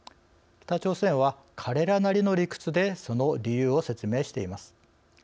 北朝鮮は彼らなりの理屈でその理由を説明しています。